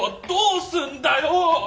どうすんだよ！